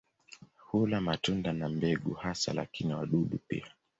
Hula matunda na mbegu hasa, lakini wadudu pia.